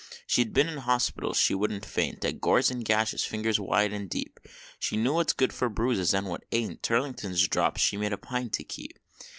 She'd been in hospitals she wouldn't faint At gores and gashes fingers wide and deep; She knew what's good for bruises and what ain't Turlington's Drops she made a pint to keep.